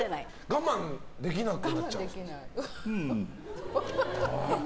我慢できなくなっちゃうんですか？